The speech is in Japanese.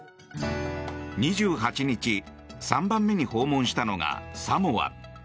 ２８日、３番目に訪問したのがサモア。